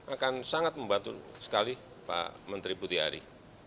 akan sangat membantu sekali pak menteri putihari